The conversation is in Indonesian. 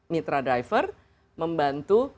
mitra driver membantu